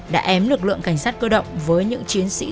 đã ém lực lượng cảnh sát cơ động